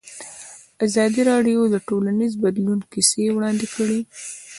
ازادي راډیو د ټولنیز بدلون کیسې وړاندې کړي.